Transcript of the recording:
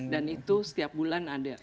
itu setiap bulan ada